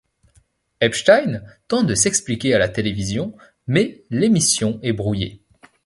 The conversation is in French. Epstein tente de s'expliquer à la télévision, mais l'émission est brouillée.